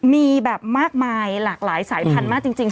มีแบบมากมายหลากหลายสายพันธุ์มากจริง